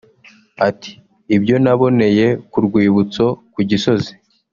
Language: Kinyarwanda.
ati “Ibyo naboneye ku rwibutso (ku Gisozi)